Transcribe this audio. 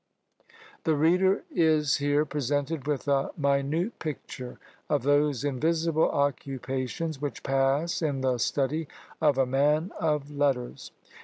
The reader is here presented with a minute picture of those invisible occupations which pass in the study of a man of letters.